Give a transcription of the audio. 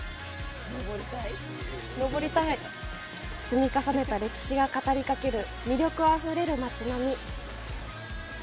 積み重ねた歴史が語りかける魅力あふれる街並み。